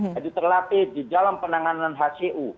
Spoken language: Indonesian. jadi terlatih di dalam penanganan hcu